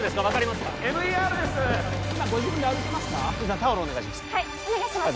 タオルお願いします